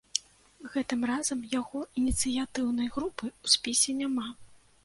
Гэтым разам яго ініцыятыўнай групы ў спісе няма.